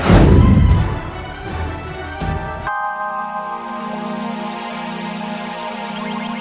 asli aku akan memegang keburu bebas